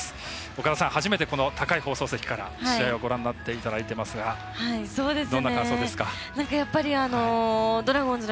岡田さん、初めてこの高い放送席から試合をご覧になっていただいていますがどんな感想ですか？